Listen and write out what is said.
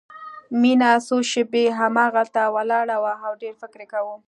مينه څو شېبې همهغلته ولاړه وه او ډېر فکر يې کاوه.